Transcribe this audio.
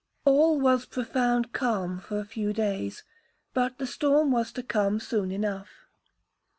'All was profound calm for a few days, but the storm was to come soon enough.